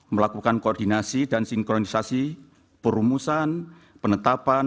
melakukan koordinasi dan sinkronisasi perumusan penetapan